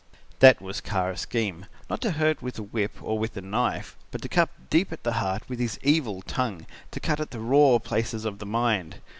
"That was Kara's scheme. Not to hurt with the whip or with the knife, but to cut deep at the heart with his evil tongue, to cut to the raw places of the mind.